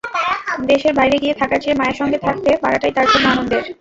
দেশের বাইরে গিয়ে থাকার চেয়ে মায়ের সঙ্গে থাকতে পারাটাই তাঁর জন্য আনন্দের।